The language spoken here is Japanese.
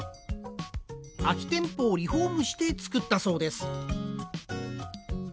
空き店舗をリフォームして作ったそうです。